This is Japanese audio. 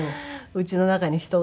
うちの中に人が。